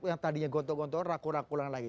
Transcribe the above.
yang tadinya gontok gontokan rakuran rakuran lagi